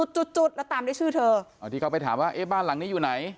จุดจุดแล้วตามด้วยชื่อเธอที่เขาไปถามว่าเอ๊ะบ้านหลังนี้อยู่ไหน